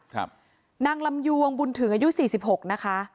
ครับนางลำยวงบุญถึงอายุสี่สิบหกนะคะ